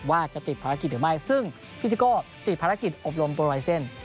ว่าจะติดภารกิจหรือไม่ซึ่งพี่ซิโก้ติดภารกิจอบรมโปรไลเซ็นต์